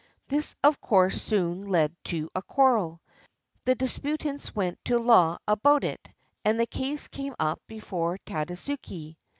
This of course soon led to a quarrel. The disputants went to law about it and the case came up before Tadasuke.